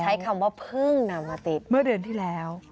ใช้คำว่าเพิ่งนำมาติดเมื่อเดือนที่แล้ว